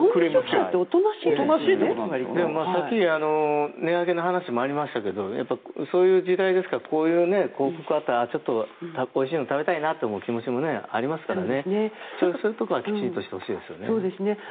さっき値上げの話もありましたけどそういう時代ですからこういう広告を見るとおいしいの食べたいなと思う気持ちもありますからそういうところはきちんとしてほしいですね。